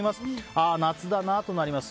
ああ、夏だなとなります。